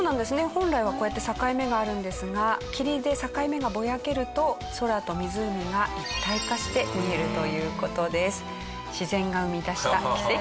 本来はこうやって境目があるんですが霧で境目がぼやけると空と湖が一体化して見えるという事です。